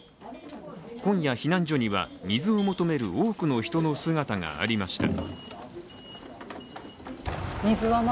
今夜、避難所には水を求める多くの人の姿がありました。